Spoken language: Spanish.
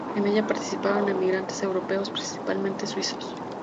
En ella participaron emigrantes europeos, principalmente suizos.